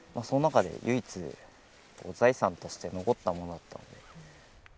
その中で唯一、財産として残ったものだった。